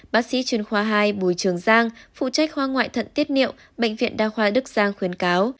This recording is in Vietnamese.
bác sĩ chuyên khoa hai bùi trường giang phụ trách khoa ngoại thận tiết niệu bệnh viện đa khoa đức giang khuyến cáo